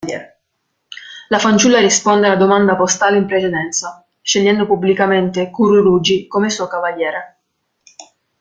La fanciulla risponde alla domanda postale in precedenza, scegliendo pubblicamente Kururugi come suo Cavaliere.